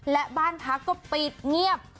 และบ้านพักก็ปิดเงียบ